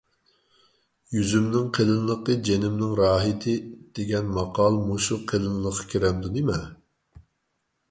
«يۈزۈمنىڭ قېلىنلىقى جېنىمنىڭ راھىتى» دېگەن ماقال مۇشۇ قېلىنلىققا كىرەمدۇ نېمە؟